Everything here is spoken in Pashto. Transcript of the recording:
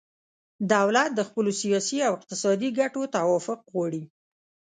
دولت د خپلو سیاسي او اقتصادي ګټو توافق غواړي